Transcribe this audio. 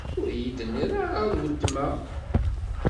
Ur iyi-d-inni ara: D ultma?